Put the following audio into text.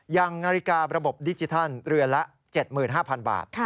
อย่างนาฬิการะบบดิจิทัลเรือนละ๗๕๐๐๐บาท